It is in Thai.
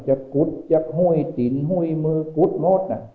จะกุ๊ดจะห่วยตินห่วยมือกุ๊ดโมด